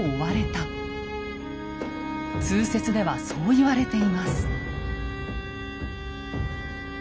通説ではそう言われています。